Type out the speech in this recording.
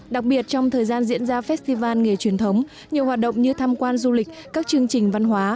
đặc biệt trong thời gian diễn ra festival nghề truyền thống nhiều hoạt động như tham quan du lịch các chương trình văn hóa